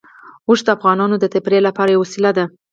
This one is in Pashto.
اوښ د افغانانو د تفریح لپاره یوه وسیله ده.